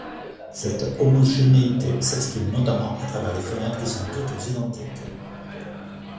Cette homogénéité s'exprime notamment à travers les fenêtres, qui sont toutes identiques.